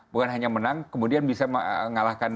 bukan hanya menang kemudian bisa mengalahkan